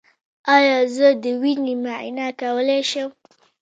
ایا زه د وینې معاینه کولی شم؟